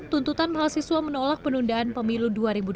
tuntutan mahasiswa menolak penundaan pemilu dua ribu dua puluh